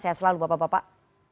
sehat selalu bapak bapak